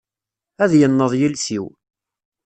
Ad yenneḍ yiles-iw.